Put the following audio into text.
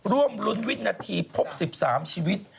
ร่วมรุ้นวินาทีพบ๑๓ชีวิต